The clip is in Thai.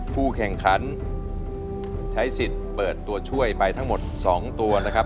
ผู้แข่งขันใช้สิทธิ์เปิดตัวช่วยไปทั้งหมด๒ตัวนะครับ